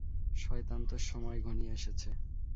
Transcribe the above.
শয়তান, তোর সময় ঘনিয়ে এসেছে।